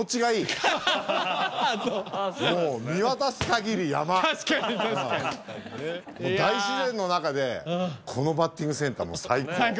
そうもう見渡すかぎり山確かに確かに大自然の中でこのバッティングセンター最高最高？